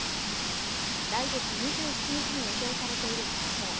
来月２７日に予定されている国葬。